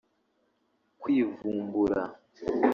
kwivumbura